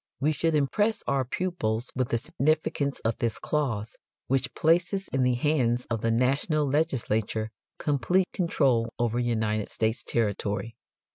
We should impress our pupils with the significance of this clause which places in the hands of the national legislature complete control over United States territory.